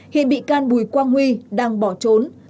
hiện bị can bùi quang huy đang bỏ trốn